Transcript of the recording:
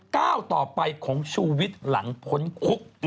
ก้าวต่อไปของชูวิทย์หลังพ้นคุก